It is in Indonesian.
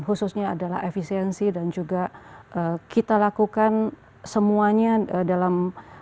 khususnya adalah efisiensi dan juga kita lakukan semuanya dalam